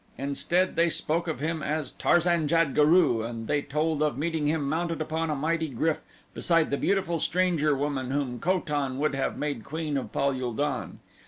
Instead they spoke of him as Tarzan jad guru and they told of meeting him mounted upon a mighty GRYF beside the beautiful stranger woman whom Ko tan would have made queen of Pal ul don.